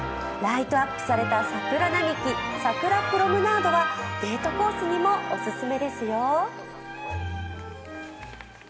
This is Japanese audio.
ライトアップされた桜並木桜プロムナードはデートコースにもおすすめですよ。